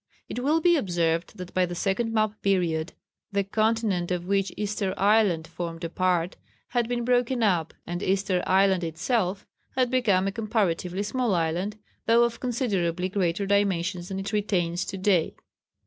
It will be observed that by the second map period, the continent of which Easter Island formed a part had been broken up and Easter Island itself had become a comparatively small island, though of considerably greater dimensions than it retains to day.